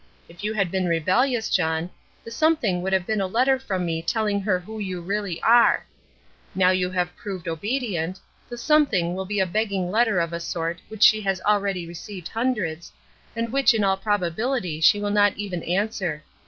If you had been rebellious, John, the 'something' would have been a letter from me telling her who you really are. Now you have proved obedient, the 'something' will be a begging letter of a sort which she has already received hundreds, and which in all probability she will not even answer.